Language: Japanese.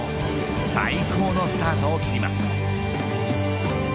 最高のスタートを切ります。